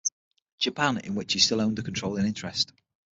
Japan in which he still owned a controlling interest.